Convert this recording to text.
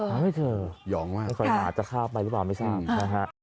หาไม่เจอไม่ค่อยหมาจะข้าวไปหรือเปล่าไม่ทราบ